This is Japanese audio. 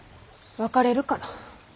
別れるから。